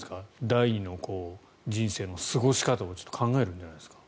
第二の人生の過ごし方を考えるんじゃないですか。